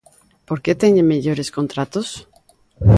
Porque teñen mellores contratos.